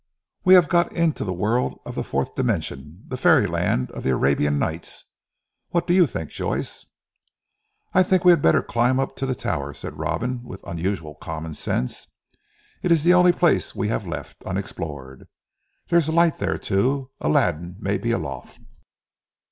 "We have got into the world of the fourth dimension: the fairy land of the Arabian Nights. What do you think Joyce?" "I think we had better climb up to the tower," said Robin with unusual common sense, "It is the only place we have left unexplored. There is a light there too; Aladdin may be aloft."